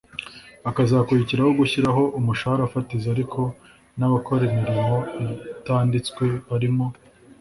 hakazakurikiraho gushyiraho umushahara fatizo ariko n’abakora imirimo itanditswe barimo